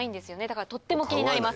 だからとっても気になります。